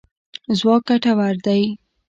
ځواک ګټور دی.